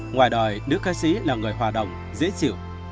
ngoài đời nữ ca sĩ là người hòa đồng dễ chịu